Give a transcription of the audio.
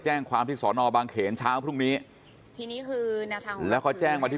คุณกัลจอมพลังบอกจะมาให้ลบคลิปได้อย่างไร